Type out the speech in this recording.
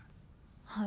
はい。